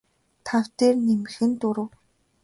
тав дээр нэмэх нь дөрөв